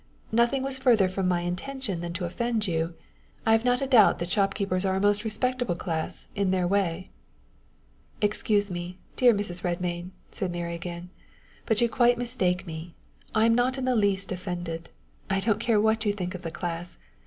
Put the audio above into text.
"Nothing was further from my intention than to offend you. I have not a doubt that shopkeepers are a most respectable class in their way " "Excuse me, dear Mrs. Redmain," said Mary again, "but you quite mistake me. I am not in the least offended. I don't care what you think of the class.